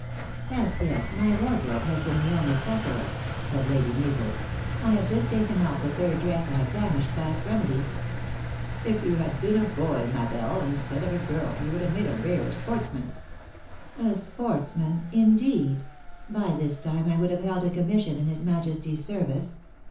u As yet my wardrobe has been the only sufferer," said Lady Mabel. "I have just taken off the third dress I have damaged past remedy." " If you had been a boy, Ma belle, instead of a girl, you would have made a rare sportsman !"" A sportsman, indeed ! By this time I would have held a commission in his Majesty s service.